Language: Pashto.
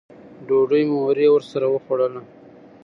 ډوډۍ مو هورې ورسره وخوړله.